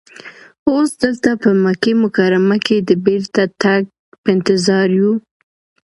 اوس دلته په مکه مکرمه کې د بېرته تګ په انتظار یو.